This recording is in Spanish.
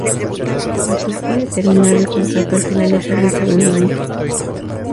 Cueto puede terminar el contrato al finalizar el segundo año.